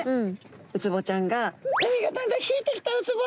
ウツボちゃんが「海がだんだん引いてきたウツボ！